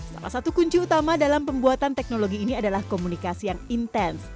salah satu kunci utama dalam pembuatan teknologi ini adalah komunikasi yang intens